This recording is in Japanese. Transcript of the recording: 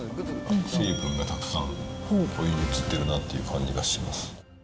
水分がたくさん乗り移っているなという感じがします。